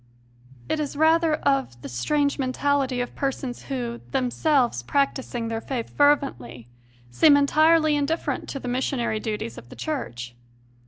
It is rather of the strange mentality of persons who, themselves practising their faith fervently, seem entirely indifferent to the missionary duties of the Church.